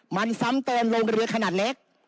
มันซ้ำเติมโรงเรือขนาดเล็ก